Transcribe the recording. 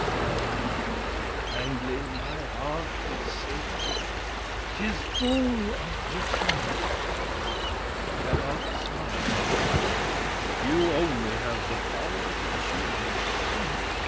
Ah! L'Angely, my heart is sick. 'Tis full of bitterness. I cannot smile. You, only, have the power to cheer me. Come!